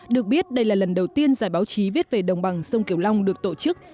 được biết đây là lần đầu tiên giải báo chí viết về đồng bằng sông kiều long được tổ chức